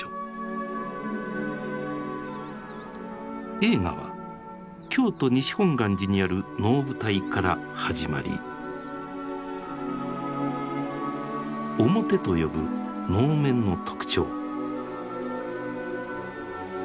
映画は京都西本願寺にある能舞台から始まり「面」と呼ぶ能面の特徴。